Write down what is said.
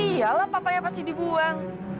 ya iyalah papanya pasti dibuang